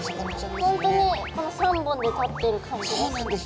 ホントにこの３本で立ってる感じがする。